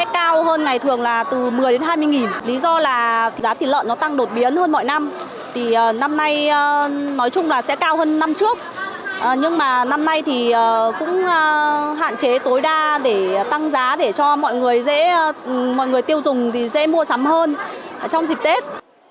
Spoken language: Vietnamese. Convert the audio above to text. chúng ta hạn chế tối đa để tăng giá để cho mọi người tiêu dùng dễ mua sắm hơn trong dịp tết